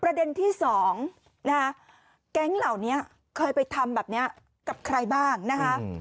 ประเด็นที่๒นะคะแก๊งเหล่านี้เคยไปทำแบบนี้กับใครบ้างนะคะ